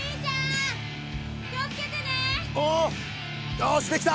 よしできた！